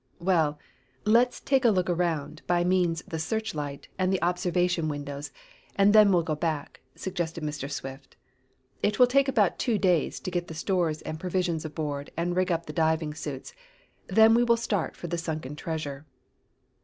"Well, let's take a look around by means the searchlight and the observation windows, and then we'll go back," suggested Mr. Swift. "It will take about two days to get the stores and provisions aboard and rig up the diving suits; then we will start for the sunken treasure."